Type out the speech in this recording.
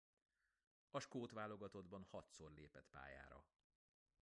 A skót válogatottban hatszor lépett pályára.